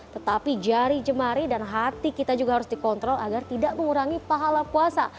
tetapi jari jemari dan hati kita juga harus dikontrol agar tidak mengurangi pahala puasa